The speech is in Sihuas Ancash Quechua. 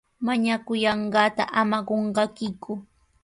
Mañakullanqaata ama qunqakiku.